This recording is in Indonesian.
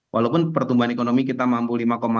walaupun pertumbuhan ekonomi kita mampu lima tujuh